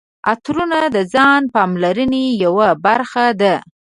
عطرونه د ځان پاملرنې یوه برخه ده.